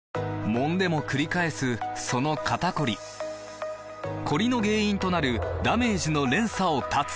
もんでもくり返すその肩こりコリの原因となるダメージの連鎖を断つ！